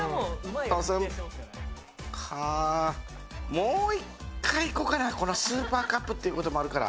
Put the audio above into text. もう一回、いこうかな、スーパーカップということもあるから。